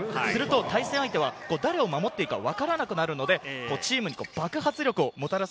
対戦相手は誰を守っていいか分からなくなるので、チームに爆発力をもたらす